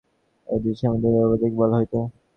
এই দুই সম্প্রদায়কে অবৈদিক বলা হইত।